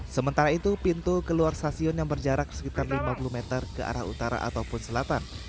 sementara itu pintu keluar stasiun yang berjarak sekitar lima puluh meter ke arah utara ataupun selatan